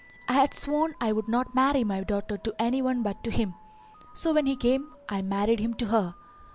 I had sworn I would not marry my daughter to any but to him; so when he came I married him to her.